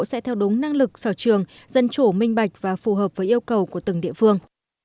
sẽ theo đúng năng lực sở trường dân chủ minh bạch và phù hợp với yêu cầu của từng địa phương